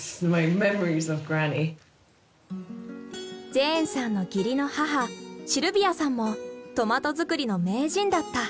ジェーンさんの義理の母シルビアさんもトマト作りの名人だった。